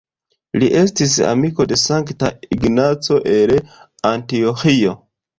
Li estis amiko de Sankta Ignaco el Antioĥio.